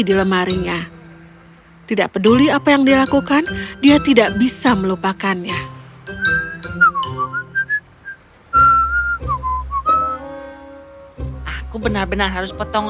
di lemarinya tidak peduli apa yang dilakukan dia tidak bisa melupakannya aku benar benar harus potong